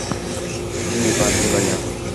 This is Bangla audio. জি, বান্টি-ভাইয়া।